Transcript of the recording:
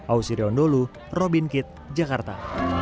ausirion dholu robin kitt jakarta